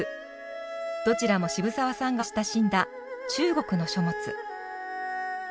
どちらも渋沢さんが親しんだ中国の書物。